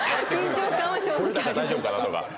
高大丈夫かなとか。